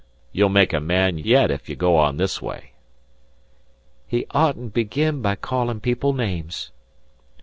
You'll make a man yet ef you go on this way." "He oughtn't begin by calling people names."